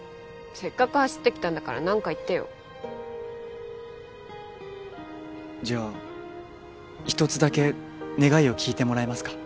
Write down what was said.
せっかく走ってきたんだから何か言ってよじゃあ一つだけ願いを聞いてもらえますか？